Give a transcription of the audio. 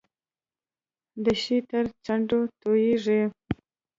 د شی تر څنډو تیریږي.